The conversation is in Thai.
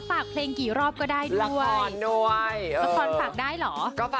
กับเพลงที่มีชื่อว่ากี่รอบก็ได้